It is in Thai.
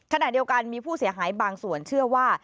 ขณะเดียวกันมีผู้เสียหายบางส่วนเชื่อว่า